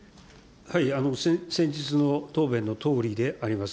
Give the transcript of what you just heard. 先日の答弁のとおりであります。